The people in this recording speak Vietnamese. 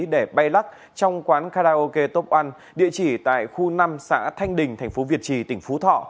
để bay lắc trong quán karaoke top one địa chỉ tại khu năm xã thanh đình tp việt trì tỉnh phú thọ